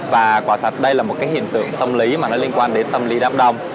và quả thật đây là một cái hiện tượng tâm lý mà nó liên quan đến tâm lý đám đông